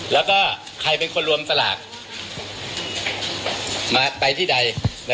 แล้วก็ใครเป็นคนรวมสลากมาไปที่ใด